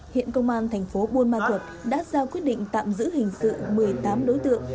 hiện công an thành phố vân thuật đã giao quyết định tạm giữ hình sự một mươi tám đối tượng